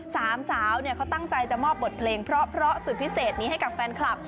สามสาวเขาตั้งใจจะมอบบทเพลงเพราะสุดพิเศษนี้ให้กับแฟนคลับ